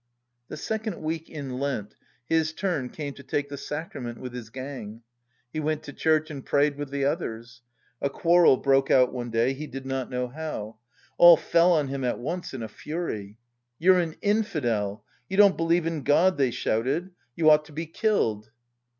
The second week in Lent, his turn came to take the sacrament with his gang. He went to church and prayed with the others. A quarrel broke out one day, he did not know how. All fell on him at once in a fury. "You're an infidel! You don't believe in God," they shouted. "You ought to be killed."